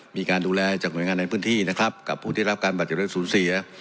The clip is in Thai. มีการดูแลจากหน่วยงานในพื้นที่นะครับกับผู้ที่รับการบัตรเกี่ยวกับศูนย์สี่